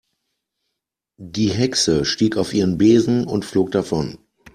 Die Hexe stieg auf ihren Besen und flog davon.